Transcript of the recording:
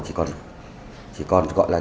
chỉ còn tư thế của nạn nhân co quắp trong cái vali